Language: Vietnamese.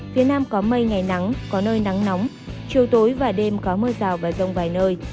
phía nam có mây ngày nắng có nơi nắng nóng chiều tối và đêm có mưa rào và rông vài nơi